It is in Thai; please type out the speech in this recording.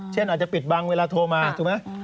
อาจจะปิดบังเวลาโทรมาถูกไหม